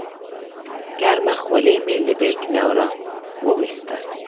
ګرمه خولۍ مې له بیک نه راوویسته.